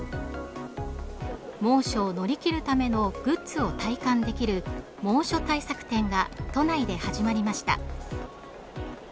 猛暑を乗り切るためのグッズを体感できる猛暑対策展が都内で始まりました。